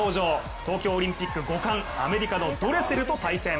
東京オリンピック５冠アメリカのドレセルと対戦。